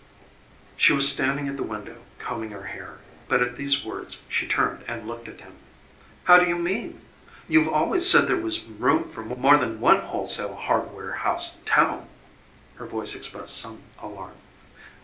She was standing at the window combing her hair, but at these words she turned and looked at him. "How do you mean? You've always said there was room for more than one wholesale hardware house in town." Her voice expressed some alarm.